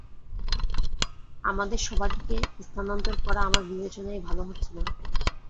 আমাদের সভাটিকে স্থানান্তর করা আমার বিবেচনায় ভালো হচ্ছে না।